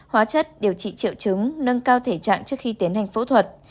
hóa chất điều trị triệu chứng nâng cao thể trạng trước khi tiến hành phẫu thuật